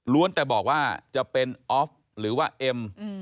แต่บอกว่าจะเป็นออฟหรือว่าเอ็ม